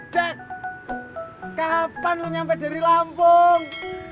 jack kapan lu nyampe dari lampung